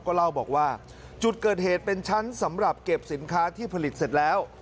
ก็เล่าบอกว่าจุดเกิดเหตุเป็นชั้นสำหรับเก็บสินค้าที่ผลิตเสร็จแล้ว